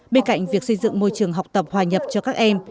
bên cạnh việc xây dựng môi trường học tập hòa nhập cho các em